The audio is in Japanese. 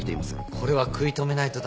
これは食い止めないと駄目ですね。